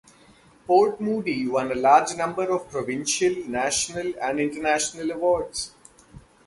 Port Moody won a large number of provincial, national and international awards.